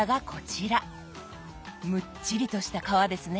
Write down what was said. むっちりとした皮ですね。